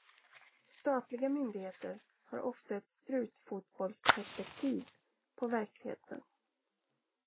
Statliga myndigheter har ofta ett strutfotbollsperspektiv på verkligheten.